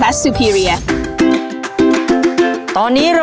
และวันนี้โรงเรียนไทรรัฐวิทยา๖๐จังหวัดพิจิตรครับ